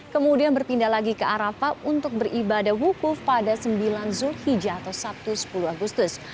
kemudian berpindah lagi ke arafah untuk beribadah wukuf pada sembilan zulhijjah atau sabtu sepuluh agustus